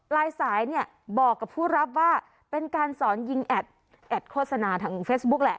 ลายสายเนี่ยบอกกับผู้รับว่าเป็นการสอนยิงแอดแอดโฆษณาทางเฟซบุ๊คแหละ